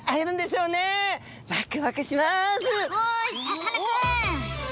さかなクン！